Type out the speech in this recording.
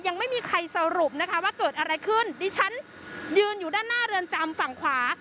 ยังไม่มีใครสรุปนะคะว่าเกิดอะไรขึ้นดิฉันยืนอยู่ด้านหน้าเรือนจำฝั่งขวา